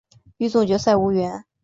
与总决赛无缘。